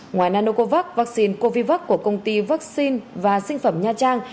ngoài nanocovax vaccine covid của công ty vaccine và sinh phẩm nha trang